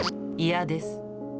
嫌です。